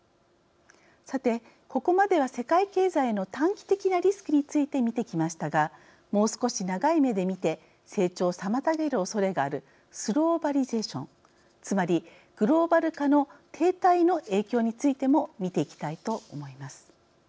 さてここまでは世界経済への短期的なリスクについて見てきましたがもう少し長い目で見て成長を妨げるおそれがあるスローバリゼーションつまりグローバル化の停滞の影響についても見ていきたいと思います。